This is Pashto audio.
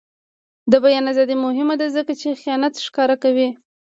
د بیان ازادي مهمه ده ځکه چې خیانت ښکاره کوي.